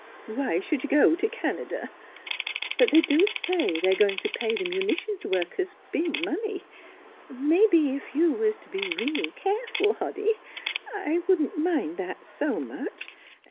Why should you go to Canada? But they do say they're going to pay the munitions workers big money. Maybe if you was to be real careful, Hoddy, I wouldn't mind that so much.